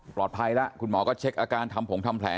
แล้วคุณหมอก็เช็คอาการทำผงทำแผล